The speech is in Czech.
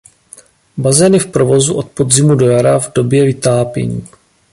Bazén je v provozu od podzimu do jara v době vytápění.